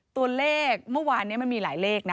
ตัวเลขเมื่อวานนี้มันมีหลายเลขนะ